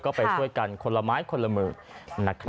ก็ไปช่วยกันคนละไม้คนละหมื่นนะครับ